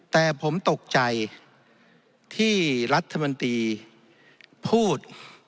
แต่ผมตกใจที่รัฐมนตรีพูด